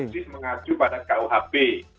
masih mengacu pada kuhp